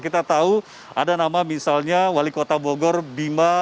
kita tahu ada nama misalnya wali kota bogor bima